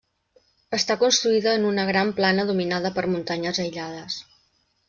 Està construïda en una gran plana dominada per muntanyes aïllades.